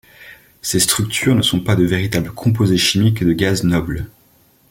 Ces structures ne sont pas de véritables composés chimiques de gaz nobles.